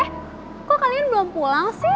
eh kok kalian belum pulang sih